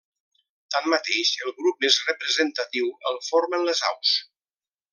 Tanmateix el grup més representatiu el formen les aus.